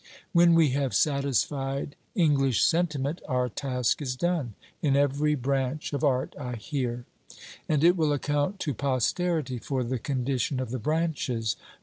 When we have satisfied English sentiment, our task is done, in every branch of art, I hear: and it will account to posterity for the condition of the branches.